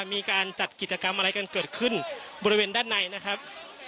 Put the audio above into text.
มีการจัดกิจกรรมอะไรกันเกิดขึ้นบริเวณด้านในนะครับ